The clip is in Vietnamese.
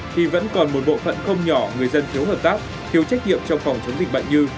thì vẫn còn một bộ phận không nhỏ người dân thiếu hợp tác thiếu trách nhiệm trong phòng chống dịch bệnh như